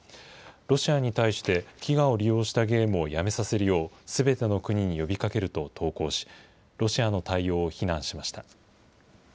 ロシアに対して、飢餓を利用したゲームをやめさせるよう、すべての国に呼びかけると投稿し、ロシアの対応を非難しました。